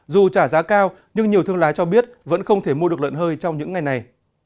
dù trả giá cao nhưng nhiều thương lái cho biết vẫn không thể mua được lợn hơi trong những ngày này